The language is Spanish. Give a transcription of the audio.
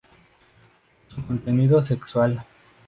Por su contenido sexual.